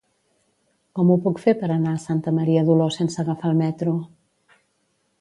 Com ho puc fer per anar a Santa Maria d'Oló sense agafar el metro?